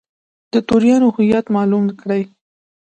د توریانو هویت معلوم کړي.